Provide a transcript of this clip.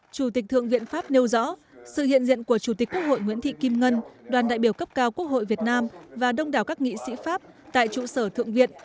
chủ tịch thượng viện pháp nêu rõ sự hiện diện của chủ tịch quốc hội nguyễn thị kim ngân đoàn đại biểu cấp cao quốc hội việt nam và đông đảo các nghị sĩ pháp tại trụ sở thượng viện